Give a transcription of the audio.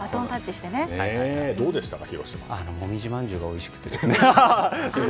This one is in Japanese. もみじまんじゅうがおいしくてですね。